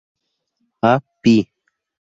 A. Pl.